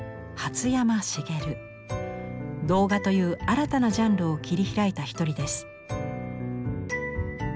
「童画」という新たなジャンルを切り開いた一人です。